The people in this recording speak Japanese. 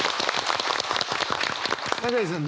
永井さん